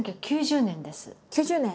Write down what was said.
９０年。